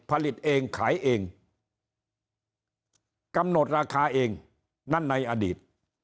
ผลิตเองขายเองกำหนดราคาเองนั่นในอดีต